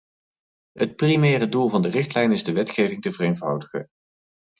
Het primaire doel van de richtlijn is de wetgeving te vereenvoudigen.